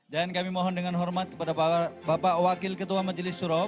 kami mohon dengan hormat kepada bapak wakil ketua majelis suro